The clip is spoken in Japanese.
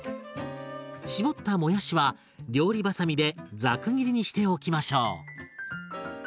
絞ったもやしは料理ばさみでザク切りにしておきましょう。